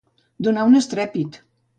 Donar un estrèpit.